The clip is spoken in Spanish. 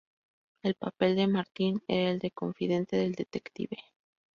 El papel de Martin era el de confidente del detective.